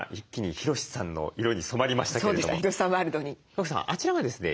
賀来さんあちらがですね